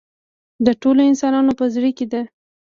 د ټولو انسانانو په زړه کې ده.